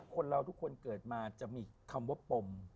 คนเราทุกคนเกิดมาจะมีคำว่าปม